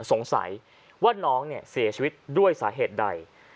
สงสัยว่าน้องเนี่ยเสียชีวิตด้วยสาเหตุใด